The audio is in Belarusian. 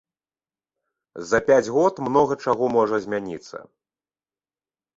За пяць год многа чаго можа змяніцца.